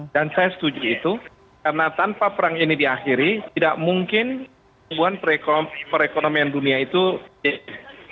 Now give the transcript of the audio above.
dan saya setuju itu karena tanpa perang ini diakhiri tidak mungkin perekonomian dunia itu berhasil